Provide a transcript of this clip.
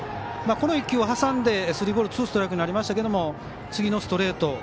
この１球を挟んで、スリーボールツーストライクになりましたけど次のストレート